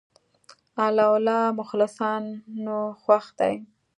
الله له مخلصانو خوښ دی.